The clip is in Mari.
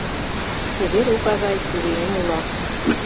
Чевер ока гай чурием уло.